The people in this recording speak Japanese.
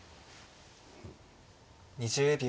２０秒。